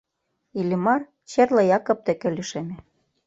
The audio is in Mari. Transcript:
Иллимар Черле-Якоб деке лишеме.